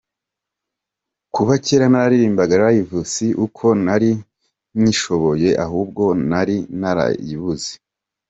Kuba kera ntararirimbaga Live si uko ntari nyishoboye ahubwo nari narayibuze.